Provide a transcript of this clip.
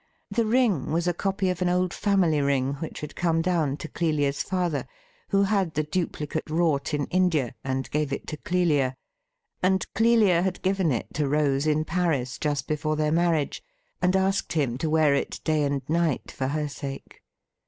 The ring was a copy of an old family ring which had come down to Clelia's father, who had the duplicate wrpught in India, and gave it to Clelia, and Clelia had given it to Rose in Paris just before their marriage, and asked him to wear it day and night for her sake.